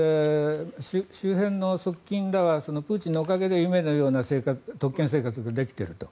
周辺の側近らはプーチンのおかげで夢のような特権生活ができていると。